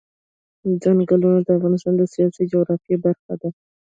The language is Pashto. ځنګلونه د افغانستان د سیاسي جغرافیه برخه ده.